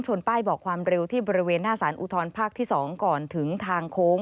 ป้ายบอกความเร็วที่บริเวณหน้าสารอุทธรภาคที่๒ก่อนถึงทางโค้ง